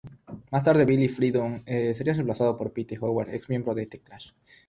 Más tarde Billy Freedom sería reemplazado por Pete Howard, ex miembro de The Clash.